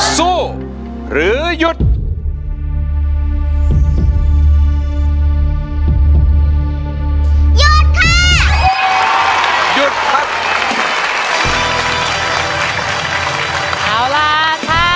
สู้หรือหยุด